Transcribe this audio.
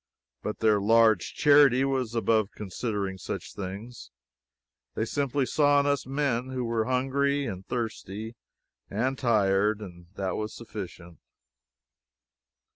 But their large charity was above considering such things. They simply saw in us men who were hungry, and thirsty, and tired, and that was sufficient.